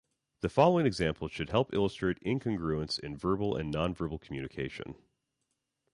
The following example should help illustrate incongruence in verbal and non-verbal communication.